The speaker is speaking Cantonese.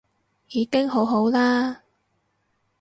已經好好啦